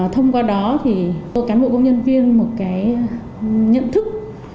thông qua đó tôi cảm ơn công nhân viên một cái nhận thức